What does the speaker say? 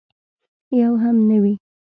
یو هم نه وي.